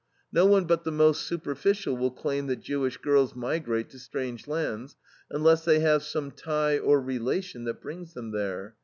No one but the most superficial will claim that Jewish girls migrate to strange lands, unless they have some tie or relation that brings them there.